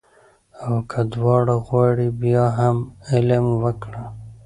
او که دواړه غواړې بیا هم علم وکړه